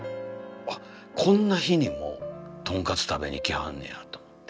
あっこんな日にもとんかつ食べにきはんねんやと思って。